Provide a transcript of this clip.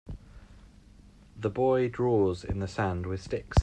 The boys draw in the sand with sticks.